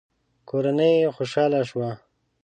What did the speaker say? کورنۍ يې خوشاله شوه.